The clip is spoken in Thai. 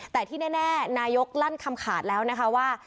แต่ที่แน่นายกลั่นคำขาดแล้วนะคะว่า